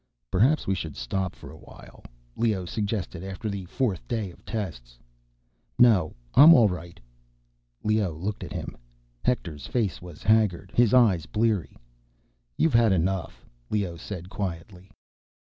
"Perhaps we should stop for a while," Leoh suggested after the fourth day of tests. "No, I'm all right." Leoh looked at him. Hector's face was haggard, his eyes bleary. "You've had enough," Leoh said quietly.